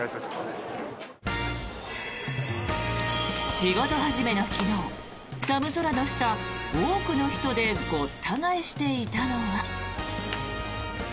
仕事始めの昨日、寒空の下多くの人でごった返していたのは。